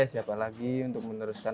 siapa lagi untuk meneruskan